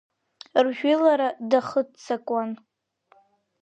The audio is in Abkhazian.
Ржәылара дахыццакуан.